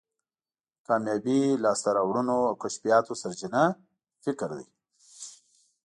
کامیابی، لاسته راوړنو او کشفیاتو سرچینه فکر دی.